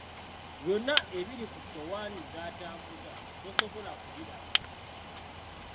Byonna ebiri ku ssowaani z’atambuza tosobola kubiraba.